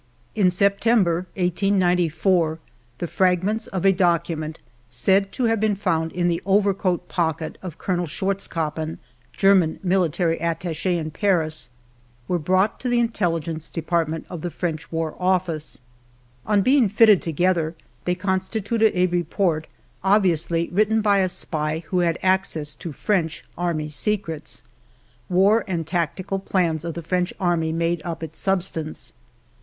In September, 1894, the fragments of a docu ment said to have been found in the overcoat pocket of Colonel Schwarzkoppen, German Mili tary Attache in Paris, were brought to the In telligence Department of the French War Office. On being fitted together, they constituted a report obviously written by a spy who had access X EDITOR'S PREFACE to French army secrets. War and tactical plans of the French army made up its substance.